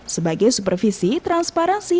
sebagai supervisi transparansi